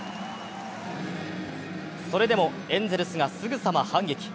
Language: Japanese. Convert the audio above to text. それでもエンゼルスがすぐさま反撃。